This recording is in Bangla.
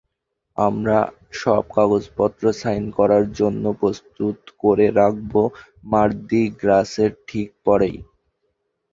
আমরা সব কাগজপত্র সাইন করার জন্য প্রস্তুত করে রাখব, মার্দি গ্রাসের ঠিক পরেই।